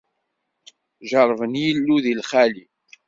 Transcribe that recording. Jeṛṛben Illu di lxali.